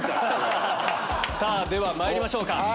ではまいりましょうか。